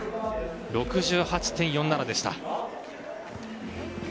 ６８．４７でした。